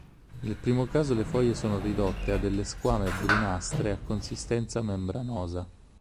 Nel primo caso le foglie sono ridotte a delle squame brunastre a consistenza membranosa.